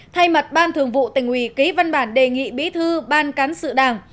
thay mặt ban thường vụ tình hủy ký văn bản đề nghị bí thư ban cán sự đảng